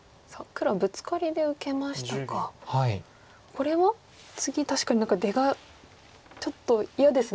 これは次確かに何か出がちょっと嫌ですね。